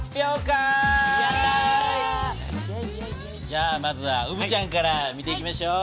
じゃあまずはうぶちゃんから見ていきましょう。